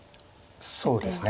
そうですね。